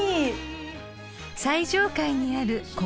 ［最上階にある苔